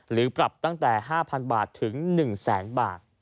หรือปรับตั้งแต่๕๐๐๐บาทถึง๑แสนบาท